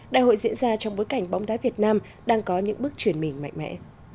đại hội diễn ra trong bối cảnh bóng đá việt nam đang có những bước chuyển mình mạnh mẽ